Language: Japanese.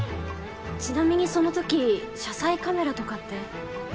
ちなみにその時車載カメラとかって。